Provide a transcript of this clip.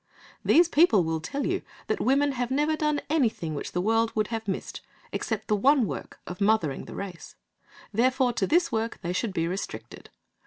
These people will tell you that women have never done anything which the world would have missed, except the one work of mothering the race. Therefore to this work they should be restricted.